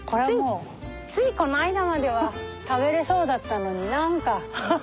ついこの間までは食べれそうだったのに何か。